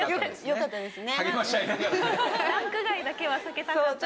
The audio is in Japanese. よかったです。